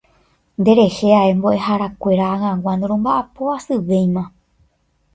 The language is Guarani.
Nderehe ae mbo'eharakuéra ag̃agua noromba'apo asyvéima